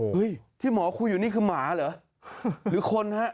ที่หมอคุยอยู่นี่คือหมาเหรอหรือคนฮะ